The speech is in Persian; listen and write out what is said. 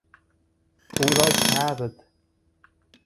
او را کرد.